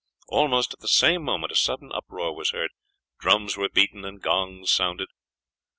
Almost at the same moment a sudden uproar was heard drums were beaten and gongs sounded.